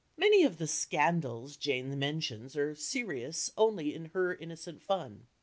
Many of the "scandals" Jane mentions are "serious" only in her innocent fun.